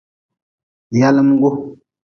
Yalimgu.